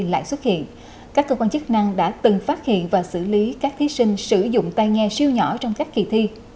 lại xuất hiện các cơ quan chức năng đã từng phát hiện và xử lý các thí sinh sử dụng tay nghe siêu nhỏ trong các kỳ thi